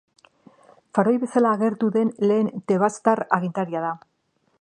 Faraoi bezala agertzen den lehen Tebastar agintaria da.